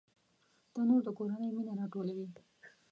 تنور د کورنۍ مینه راټولوي